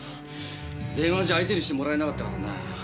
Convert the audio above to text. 電話じゃ相手にしてもらえなかったからなあ。